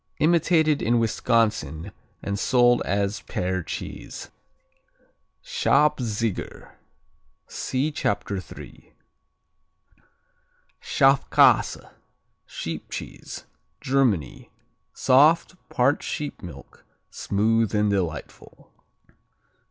Imitated in Wisconsin and sold as Pear cheese. Schabziger see Chapter 3. Schafkäse (Sheep Cheese) Germany Soft; part sheep milk; smooth and delightful.